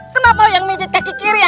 kenapa yang menjit kaki kiri ya